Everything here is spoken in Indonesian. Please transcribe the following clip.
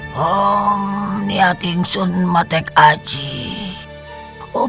tuhan aku ingin menjagamu